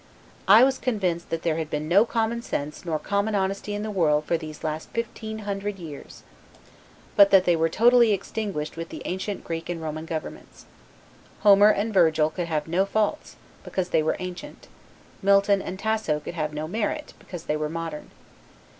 I was convinced there had been no common sense nor common honesty in the world for these last fifteen hundred years; but that they were totally extinguished with the ancient Greek and Roman governments. Homer and Virgil could have no faults, because they were ancient; Milton and Tasso could have no merit, because they were modern.